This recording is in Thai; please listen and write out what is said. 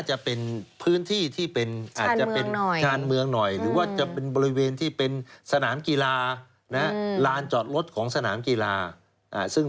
ใช่ครับน่าจะเป็นพื้นที่ที่เป็น